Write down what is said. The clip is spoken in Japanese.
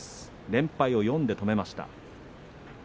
連敗を４で止めました。